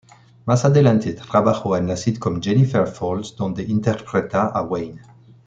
Más adelante trabajó en la sitcom "Jennifer Falls", donde interpreta a Wayne.